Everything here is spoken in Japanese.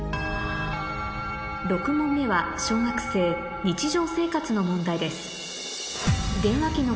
６問目は小学生日常生活の問題です